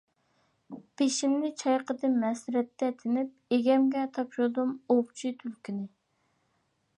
بېشىمنى چايقىدىم ھەسرەتتە تىنىپ، ئىگەمگە تاپشۇردۇم ئوۋچى تۈلكىنى.